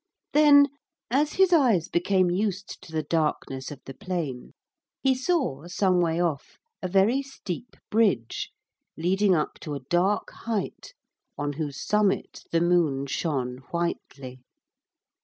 Then, as his eyes became used to the darkness of the plain, he saw some way off a very steep bridge leading up to a dark height on whose summit the moon shone whitely.